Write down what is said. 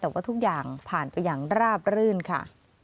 แต่ว่าทุกอย่างผ่านไปอย่างราบรื่นค่ะ